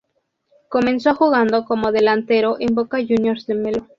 Comenzó jugando como delantero en Boca Juniors de Melo.